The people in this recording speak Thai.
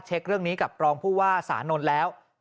เรื่องนี้กับรองผู้ว่าสานนท์แล้ว